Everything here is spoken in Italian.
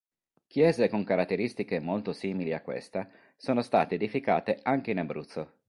Chiese con caratteristiche molto simili a questa sono state edificate anche in Abruzzo.